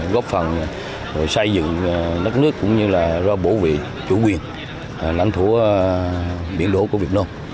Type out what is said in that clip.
góp phần xây dựng nước nước cũng như bảo vệ chủ quyền lãnh thủ biển đổ của việt nam